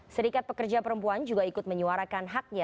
serikat pekerja perempuan juga ikut menyuarakan haknya